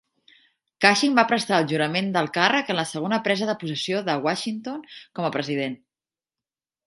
Cushing va prestar el jurament del càrrec en la segona presa de possessió de Washington com a president.